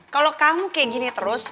kalau kamu kayak gini terus